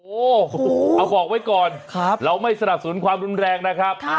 โอ้โหเอาบอกไว้ก่อนเราไม่สนับสนุนความรุนแรงนะครับ